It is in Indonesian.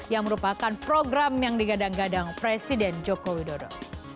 yang merupakan program yang digadang gadang presiden joko widodo